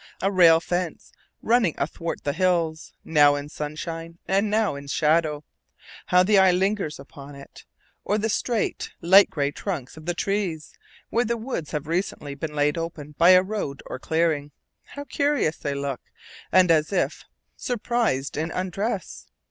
A rail fence, running athwart the hills, now in sunshine and now in shadow, how the eye lingers upon it! Or the strait, light gray trunks of the trees, where the woods have recently been laid open by a road or clearing, how curious they look, and as if surprised in undress!